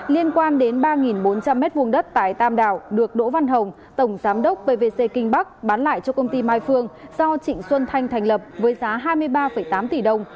liên quan đến ba bốn trăm linh m hai đất tại tam đảo được đỗ văn hồng tổng giám đốc pvc kinh bắc bán lại cho công ty mai phương do trịnh xuân thanh thành lập với giá hai mươi ba tám tỷ đồng